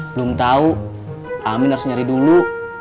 belum tahu amin harus nyari dulu